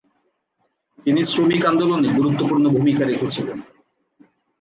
তিনি শ্রমিক আন্দোলনে গুরুত্বপূর্ণ ভুমিকা রেখেছিলেন।